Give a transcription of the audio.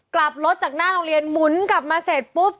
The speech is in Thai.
กลับรถจากหน้าโรงเรียนหมุนกลับมาเสร็จปุ๊บ